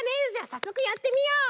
さっそくやってみよう。